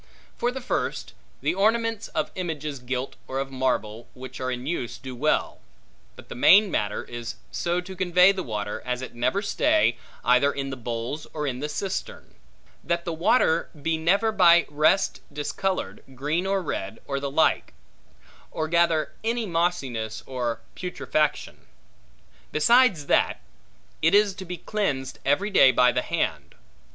For the first, the ornaments of images gilt, or of marble, which are in use, do well: but the main matter is so to convey the water, as it never stay, either in the bowls or in the cistern; that the water be never by rest discolored, green or red or the like; or gather any mossiness or putrefaction. Besides that, it is to be cleansed every day by the hand.